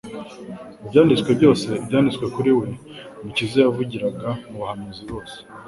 "mu byanditswe byose, ibyanditswe kuri we'. Umukiza yavugiraga mu bahanuzi bose.